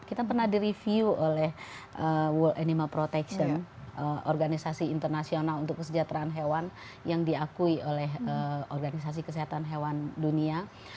kita pernah direview oleh world animal protection organisasi internasional untuk kesejahteraan hewan yang diakui oleh organisasi kesehatan hewan dunia